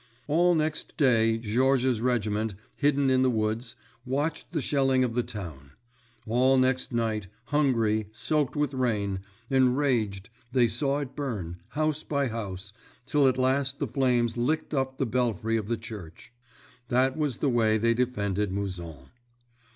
All next day Georges's regiment, hidden in the woods, watched the shelling of the town; all next night, hungry, soaked with rain, enraged, they saw it burn, house by house, till at last the flames licked up the belfry of the church. That was the way they defended Mouzon.